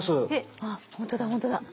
あっ本当だ本当だ。